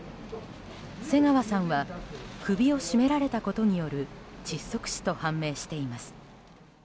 瀬川さんは首を絞められたことによる窒息死と判明しています。